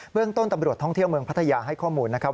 เรื่องต้นตำรวจท่องเที่ยวเมืองพัทยาให้ข้อมูลนะครับ